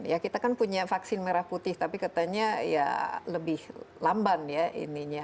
ya kita kan punya vaksin merah putih tapi katanya ya lebih lamban ya ininya